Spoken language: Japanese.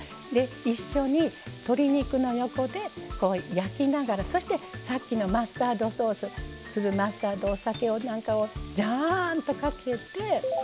一緒に鶏肉の横で焼きながらそしてさっきのマスタードソース粒マスタード、お酒なんかをジャーンとかけて。